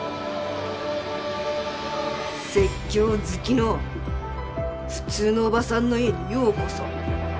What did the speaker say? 説教好きの普通のおばさんの家にようこそ。